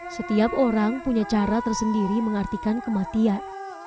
setiap orang punya cara tersendiri mengartikan kematian